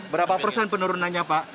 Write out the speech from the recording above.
berapa persen penurunannya pak